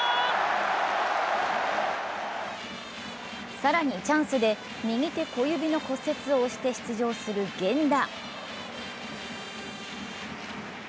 更にチャンスで右手小指の骨折を押して出場する源田。